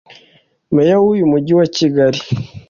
Meya w’umujyi wa Kigali